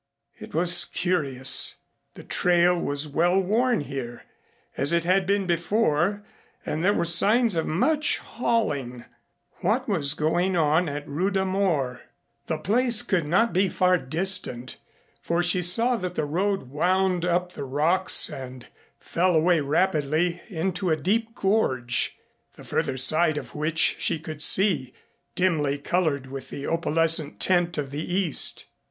It was curious. The trail was well worn here as it had been before, and there were signs of much hauling. What was going on at Rudha Mor? The place could not be far distant, for she saw that the road wound up the rocks and fell away rapidly into a deep gorge, the further side of which she could see, dimly colored with the opalescent tint of the East.